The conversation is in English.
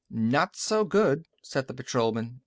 "Not so good," said the patrolman.